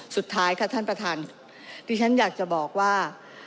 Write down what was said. สุดท้ายค่ะท่านประธานที่ฉันอยากจะบอกว่า